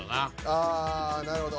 ああなるほど。